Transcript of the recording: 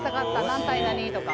“何対何”とか」